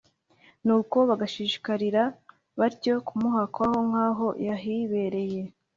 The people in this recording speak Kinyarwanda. nuko bagashishikarira batyo kumuhakwaho nk’aho yahibereye.